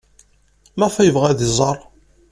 Maɣef ay yebɣa ad iẓer?